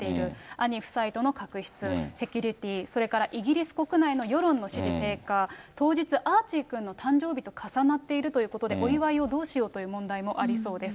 兄夫妻との確執、セキュリティー、それからイギリス国内の世論の支持低下、当日、アーチーくんの誕生日と重なっているということで、お祝いをどうしようという問題もありそうです。